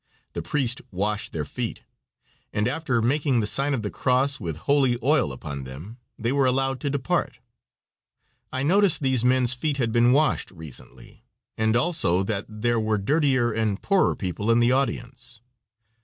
The priest washed their feet, and after making the sign of the cross with holy oil upon them, they were allowed to depart. I noticed these men's feet had been washed recently, and also that there were dirtier and poorer people in the audience.